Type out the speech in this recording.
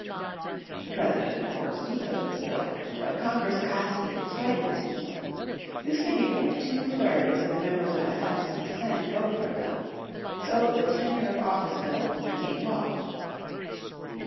The President of course vetoed this bill. But Congress passed it in spite of his veto. This can be done if two thirds of the Members of the House and the Senate vote for a bill. So the Tenure of Office Bill became law.